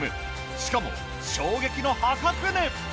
しかも衝撃の破格値。